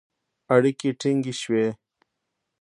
اړیکې ټینګې شوې